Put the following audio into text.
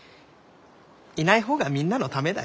いない方がみんなのためだよ。